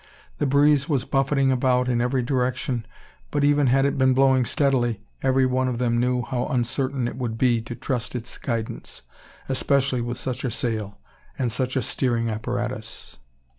The breeze was buffeting about in every direction; but, even had it been blowing steadily, every one of them knew how uncertain it would be to trust to its guidance, especially with such a sail, and such a steering apparatus.